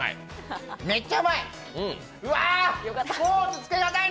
めっちゃうまい！